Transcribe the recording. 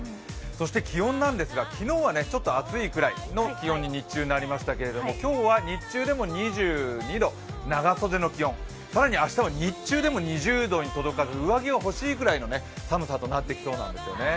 そして気温なんですが昨日はちょっと暑いくらいの気温に日中鳴りましたけど今日は日中でも２２度、長袖の気温、更に明日は日中でも２０度に届かず上着が欲しいくらいの寒さとなってきそうなんですよね。